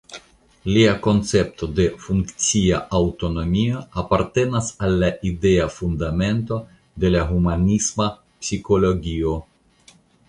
Lia koncepto de "funkcia aŭtonomio" apartenas al la idea fundamento de la humanisma psikologio.